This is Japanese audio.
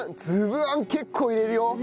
つぶあん結構入れるよ。